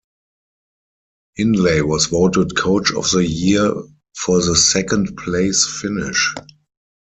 Hindley was voted coach of the year for the second-place finish.